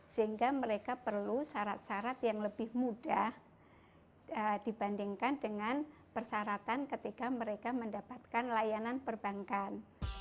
sehingga mereka perlu syarat syarat yang lebih mudah dibandingkan dengan persyaratan ketika mereka mendapatkan layanan perbankan